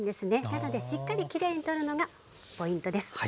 なのでしっかりきれいに取るのがポイントです。